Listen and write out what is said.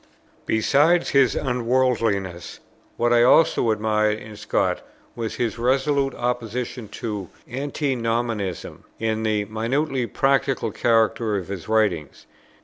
Besides his unworldliness, what I also admired in Scott was his resolute opposition to Antinomianism, and the minutely practical character of his writings.